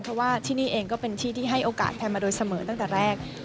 เพราะว่าที่นี่เองก็เป็นที่ที่ให้โอกาสแพนมาโดยเสมอตั้งแต่แรก